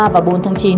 ba và bốn tháng chín